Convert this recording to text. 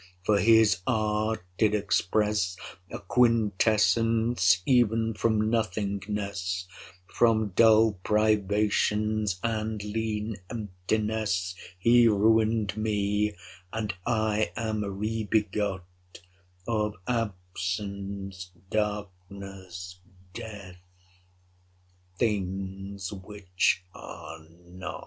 For his art did expresse A quintessence even from nothingnesse, 15 From dull privations, and leane emptinesse: He ruin'd mee, and I am re begot Of absence, darknesse, death; things which are not.